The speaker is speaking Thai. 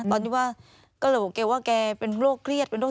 ตอนที่ว่าก็เลยบอกแกว่าแกเป็นโรคเครียดเป็นโรค